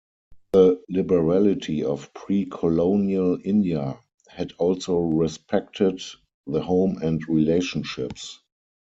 The liberality of pre-colonial India had also respected the home and relationships.